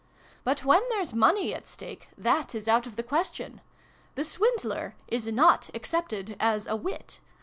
But when there's money at stake, that is out of the question. The swindler is not accepted as a wit.